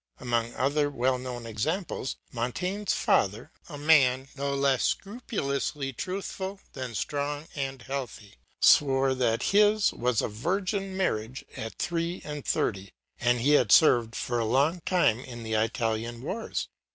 Among other well known examples, Montaigne's father, a man no less scrupulously truthful than strong and healthy, swore that his was a virgin marriage at three and thirty, and he had served for a long time in the Italian wars.